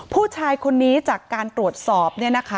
ผู้ชายคนนี้จากการตรวจสอบ